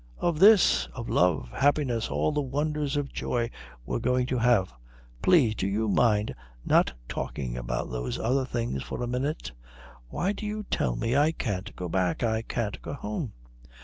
"Of this of love, happiness, all the wonders of joy we're going to have " "Please, do you mind not talking about those other things for a minute? Why do you tell me I can't go back, I can't go home?"